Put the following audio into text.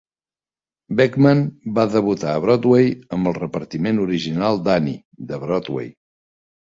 Beechman va debutar a Broadway amb el repartiment original "d'Annie" de Broadway.